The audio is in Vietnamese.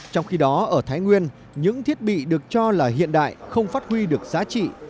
trong khi đó ở thái nguyên những thiết bị được cho là hiện đại không phát huy được giá trị